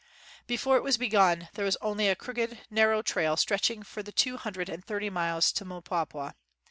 Before it was begun there was only a crooked, narrow trail stretching for the two hundred and thirty miles to Mpwapwa.